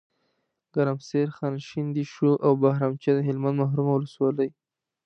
ګرمسیر، خانشین، دیشو او بهرامچه دهلمند محرومه ولسوالۍ